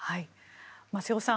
瀬尾さん